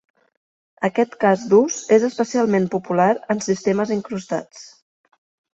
Aquest cas d'ús és especialment popular en sistemes incrustats.